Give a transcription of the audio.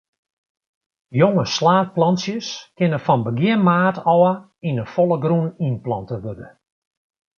Jonge slaadplantsjes kinne fan begjin maart ôf yn 'e folle grûn útplante wurde.